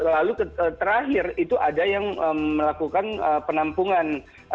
lalu terakhir itu ada yang melakukan penampungan